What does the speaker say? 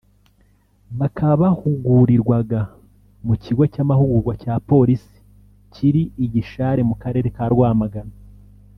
bakaba bahugurirwaga mu mu kigo cy’amahugurwa cya Polisi kiri i Gishari mu karere ka Rwamagana